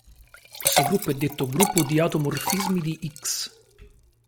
Questo gruppo è detto gruppo di automorfismi di "X".